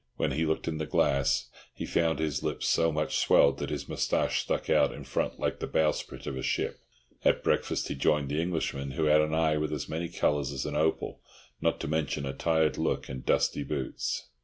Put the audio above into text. When he looked in the glass, he found his lip so much swelled that his moustache stuck out in front like the bowsprit of a ship. At breakfast he joined the Englishman, who had an eye with as many colours as an opal, not to mention a tired look and dusty boots.